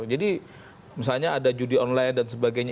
misalnya ada judi online dan sebagainya